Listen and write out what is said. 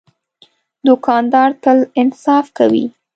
دوکاندار تل انصاف کوي.